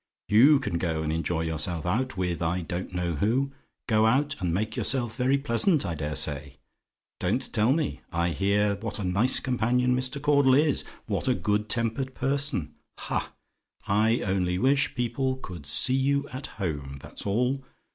you can go and enjoy yourself out, with I don't know who: go out, and make yourself very pleasant, I dare say. Don't tell me; I hear what a nice companion Mr. Caudle is: what a good tempered person. Ha! I only wish people could see you at home, that's all.